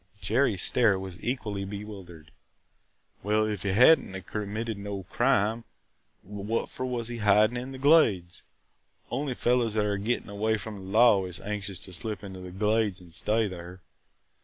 Jerry's stare was equally bewildered. "Well, if he had n't committed no crime, what for was he hidin' in the Glades? Only fellahs that are gettin' away from the law is anxious to slip into the Glades an' stay there!